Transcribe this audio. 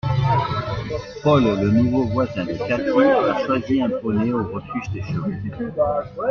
Paul, le nouveau voisin de Cathie, a choisi un poney au refuge des chevaux.